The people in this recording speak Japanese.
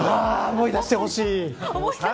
思い出してほしい。